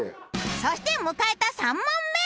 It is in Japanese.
そして迎えた３問目。